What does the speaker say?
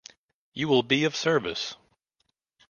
You will be of service.